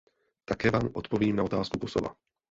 Také vám odpovím na otázku Kosova.